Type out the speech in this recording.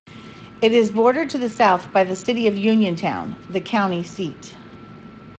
It is bordered to the south by the city of Uniontown, the county seat.